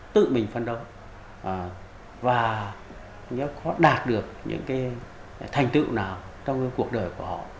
tự mình phân đấu và nếu có đạt được những thành tựu nào trong cuộc đời của họ